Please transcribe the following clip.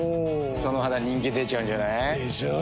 その肌人気出ちゃうんじゃない？でしょう。